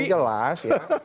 yang jelas ya